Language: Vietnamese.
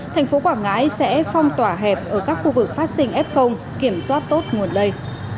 thành phố quảng ngãi sẽ phong tỏa hẹp ở các khu vực phát sinh f kiểm soát tốt nguồn lây